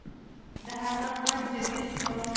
د هغه غږ جدي شو